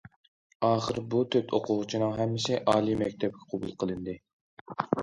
ئاخىر بۇ تۆت ئوقۇغۇچىنىڭ ھەممىسى ئالىي مەكتەپكە قوبۇل قىلىندى.